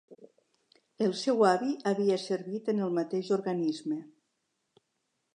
El seu avi havia servit en el mateix organisme.